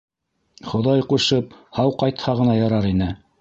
Хоҙай ҡушып, һау ҡайтһа ғына ярар ине.